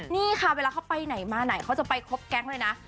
นี่ค่ะเวลาเขาไปไหนมาไหนเขาจะไปครบแก๊งเลยนะ